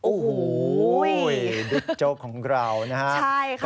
โอ้โหดิบโจ๊กของเรานะครับ